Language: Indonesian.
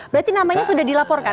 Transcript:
berarti namanya sudah dilaporkan